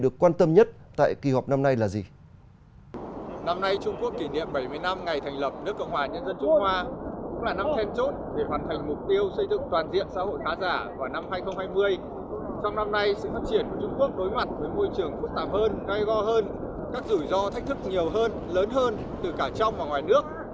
cai go hơn các rủi ro thách thức nhiều hơn lớn hơn từ cả trong và ngoài nước